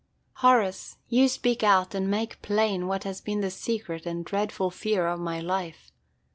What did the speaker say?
"Horace, you speak out and make plain what has been the secret and dreadful fear of my life.